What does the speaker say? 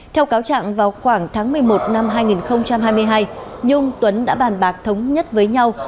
theo cáo trạng vào khoảng tháng một mươi một năm hai nghìn hai mươi hai nhung tuấn đã bàn bạc thống nhất với nhau